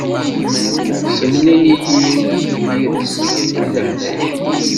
Semlil-iyi yid-s deg leɛnaya-k.